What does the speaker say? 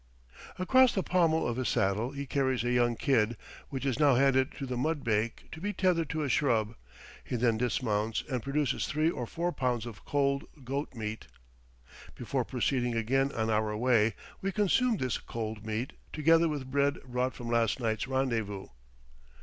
Across the pommel of his saddle he carries a young kid, which is now handed to the mudbake to be tethered to a shrub; he then dismounts and produces three or four pounds of cold goat meat. Before proceeding again on our way we consume this cold meat, together with bread brought from last night's rendezvous.